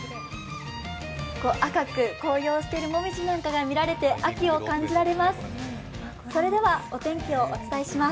赤く紅葉しているもみじなんかが見られて秋を感じられます。